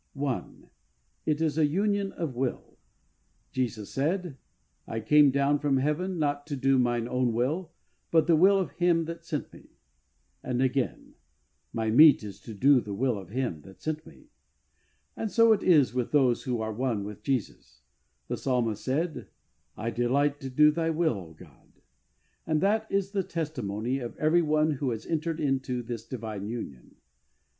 I. It is a Union of Will, Jesus said, " I came down from heaven not to do Mine own will, but the will of Him that sent Me,'' and again, " My meat is to do the will of Him that sent Me." And so it is with those who are one with Jesus. The Psalmist said, '' I delight to do Thy will, O God," and that is the testimony of every one who has entered into this divine union.